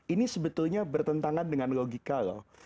ini sebetulnya bertentangan dengan logika loh